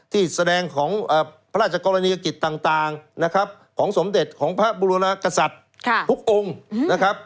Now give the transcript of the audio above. ที่แสดงของพระราชกรณีกักฤษต่างของสมเด็จของพระบุรุณากษัตริย์ทุกองค์